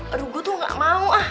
aduh gue tuh gak mau ah